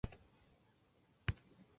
于是辽圣宗耶律隆绪将他处死。